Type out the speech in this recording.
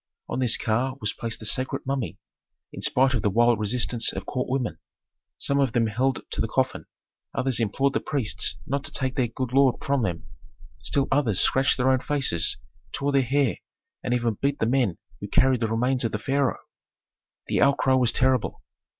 On this car was placed the sacred mummy, in spite of the wild resistance of court women. Some of them held to the coffin, others implored the priests not to take their good lord from them, still others scratched their own faces, tore their hair, and even beat the men who carried the remains of the pharaoh. The outcry was terrible.